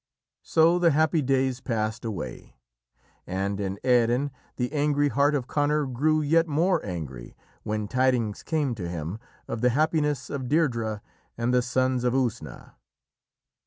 So the happy days passed away, and in Erin the angry heart of Conor grew yet more angry when tidings came to him of the happiness of Deirdrê and the Sons of Usna.